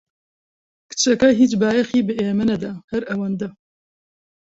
کچەکە هیچ بایەخی بە ئێمە نەدا، هەر ئەوەندە.